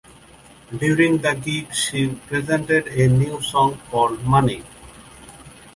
During that gig she presented a new song called "Money".